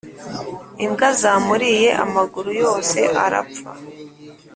Imbwazamuriye amaguru yose arapfa